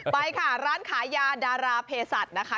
ไปค่ะร้านขายยาดาราเพศัตริย์นะคะ